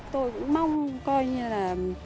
tôi cũng mong coi như là